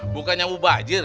bukannya uba ajir